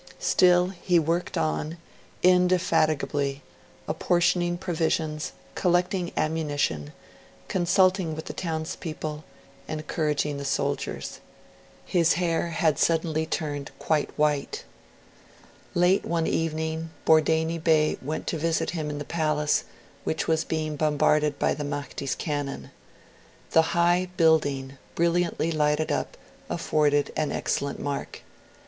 Still he worked on, indefatigably, apportioning provisions, collecting ammunition, consulting with the townspeople, encouraging the soldiers. His hair had suddenly turned quite white. Late one evening, Bordeini Bey went to visit him in the palace, which was being bombarded by the Mahdi's cannon. The high building, brilliantly lighted up, afforded an excellent mark.